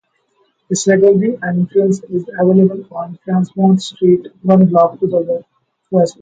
A secondary entrance is available on Tremont Street one block to the west.